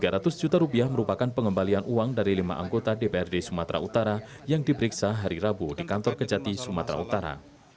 rp tiga ratus juta rupiah merupakan pengembalian uang dari lima anggota dprd sumatera utara yang diperiksa hari rabu di kantor kejati sumatera utara